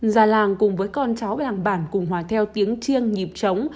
già làng cùng với con cháu làm bản cùng hòa theo tiếng chiêng nhịp trống